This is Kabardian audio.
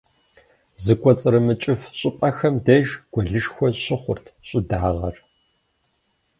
Зыкӏуэцӏрымыкӏыф щӏыпӏэхэм деж гуэлышхуэ щыхъурт щӏыдагъэр.